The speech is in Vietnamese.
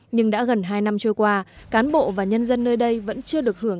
nhưng đã gần hai năm trôi qua cán bộ và nhân dân nơi đây vẫn chưa được hưởng